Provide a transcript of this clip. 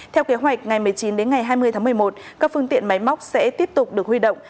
theo kế hoạch ngày một mươi chín đến ngày hai mươi tháng một mươi một các phương tiện máy móc sẽ tiếp tục được huy động